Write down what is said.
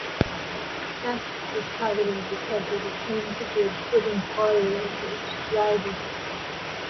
Next was targeted because it claimed to be a good employer and was thriving.